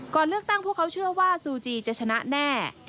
ก่อนเลือกตั้งพวกเขาเชื่อว่าซูจีจะชนะแน่